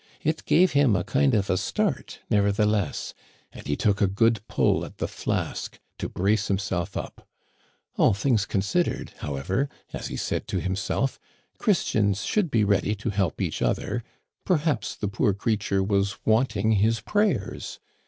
It gave him a kind of a start, nevertheless, and he took a good pull at the flask to brace himself up. All things considered, however, as he said to himself, Christians should be ready to help each other ; perhaps the poor creature was want Digitized by VjOOQIC 40 THE CANADIANS OF OLD. ing his prayers.